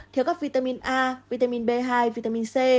thiếu các vitamin a vitamin b hai vitamin c